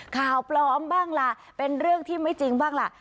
ข่าวปลอมบ้างล่ะเป็นเรื่องที่ไม่จริงบ้างล่ะ